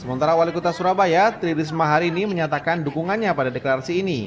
sementara wali kota surabaya tri risma hari ini menyatakan dukungannya pada deklarasi ini